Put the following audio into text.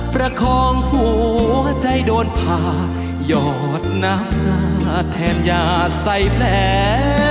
ประคองหัวใจโดนผ่าหยอดหน้าแทนยาใส่แผล